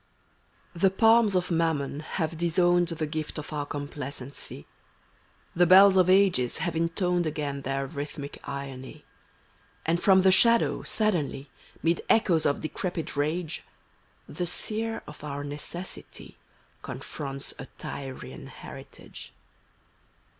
The palms of Mammon have disowned The gift of our complacency; The bells of ages have intoned Again Adr ihytimlic inmj; And from the shadow, suddenly, *Mid echoes of decrepit rage. The seer of our necessity Confronts a Tyrian heritage.